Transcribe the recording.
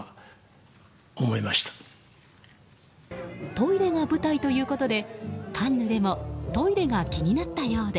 トイレが舞台ということでカンヌでもトイレが気になったようで。